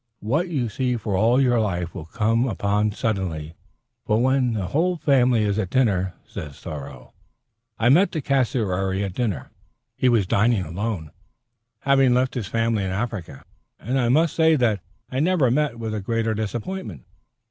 "What you seek for all your life you will come upon suddenly when the whole family is at dinner," says Thoreau. I met the cassowary at dinner. He was dining alone, having left his family in Africa, and I must say that I never met with a greater disappointment.